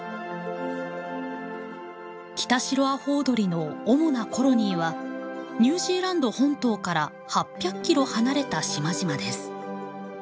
キタシロアホウドリの主なコロニーはニュージーランド本島から８００キロ離れた島々です。